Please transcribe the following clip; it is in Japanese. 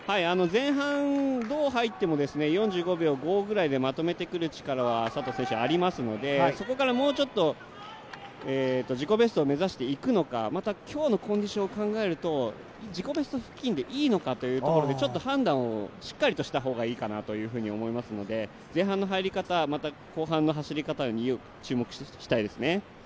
前半、どう入っても４５秒５ぐらいでまとめてくる力は佐藤選手ありますのでそこからもうちょっと自己ベストを目指していくのかまた、今日のコンディションを考えると自己ベスト付近でいいのかというところで判断をしっかりとした方がいいかなと思いますので前半の入り方、後半の走り方に注目したいですね。